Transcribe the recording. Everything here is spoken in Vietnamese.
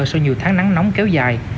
sau nhiều tháng nắng nóng kéo dài